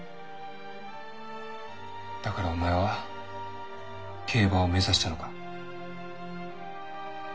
だからお前は競馬を目指したのか？